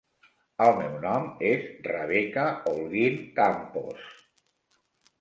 El meu nom és Rebeca Holguín Campos.